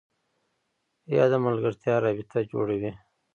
یا د ملګرتیا رابطه جوړوي